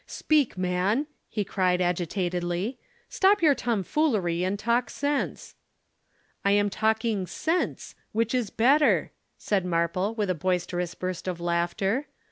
"'"Speak, man," he cried agitatedly. "Stop your tomfoolery and talk sense." "'"I am talking cents which is better," said Marple, with a boisterous burst of laughter.